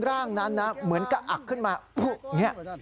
ร่างนั้นน่ะเหมือนกระอักขึ้นมาพุเนี่ย